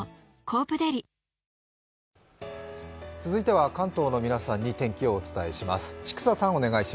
続いては関東の皆さんに天気をお伝えします。